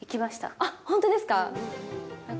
あっ、本当ですか？